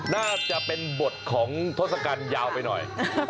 น่าจะเป็นบทของทศกัณฐ์ยาวไปหน่อย